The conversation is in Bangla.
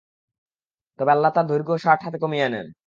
তারপর আল্লাহ তাঁর দৈর্ঘ্য ষাট হাতে কমিয়ে আনেন।